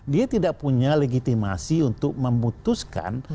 dia tidak punya legitimasi untuk memutuskan